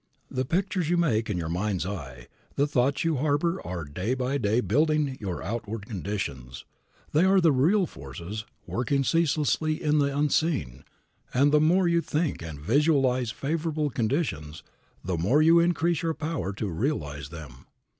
The pictures you make in your mind's eye, the thoughts you harbor are day by day building your outward conditions. They are real forces working ceaselessly in the unseen, and the more you think and visualize favorable conditions the more you increase your power to realize them.